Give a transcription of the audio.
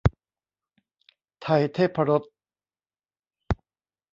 ไทยเทพรส